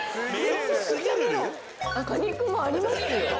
果肉もありますよ。